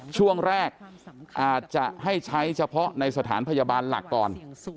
ช่วงแรกอาจจะให้ใช้เฉพาะในสถานพยาบาลหลักก่อน